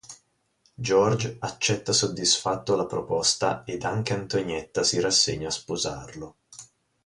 George accetta soddisfatto la proposta ed anche Antonietta si rassegna a sposarlo.